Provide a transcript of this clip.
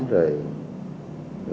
rồi bỏ chạy